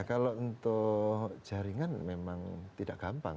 ya kalau untuk jaringan memang tidak gampang